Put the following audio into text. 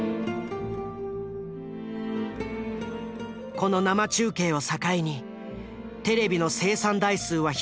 この生中継を境にテレビの生産台数は飛躍的に上昇。